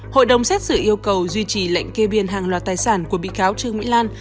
hội đồng xét xử yêu cầu duy trì lệnh kê biên hàng loạt tài sản của bị cáo trương mỹ lan